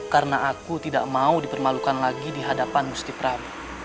karena aku tidak mau dipermalukan lagi dihadapan musti pramu